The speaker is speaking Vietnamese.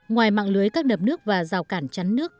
ngoài mạng lưới các đập nước và rào cản chắn nước